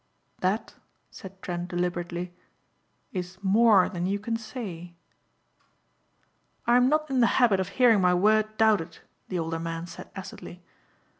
"That," said Trent deliberately, "is more than you can say." "I am not in the habit of hearing my word doubted," the older man said acidly.